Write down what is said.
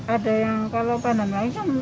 ada yang kalau pandang lain kan empat belas